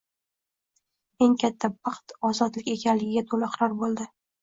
eng katta baxt ozodlik ekanligiga to‘la iqror bo‘ldi